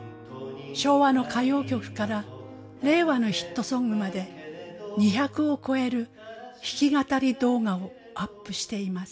昭和の歌謡曲から令和のヒットソングまで２００を超える弾き語り動画をアップしています。